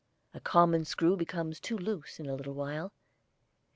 A common screw becomes too loose in a little while.